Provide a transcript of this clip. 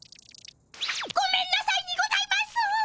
ごめんなさいにございます！